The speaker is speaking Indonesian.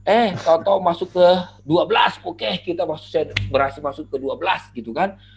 eh contoh masuk ke dua belas oke kita berhasil masuk ke dua belas gitu kan